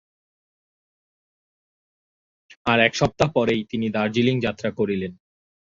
আর এক সপ্তাহ পরেই তিনি দার্জিলিঙ যাত্রা করিলেন।